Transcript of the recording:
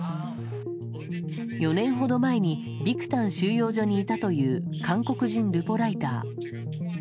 ４年ほど前にビクタン収容所にいたという韓国人ルポライター。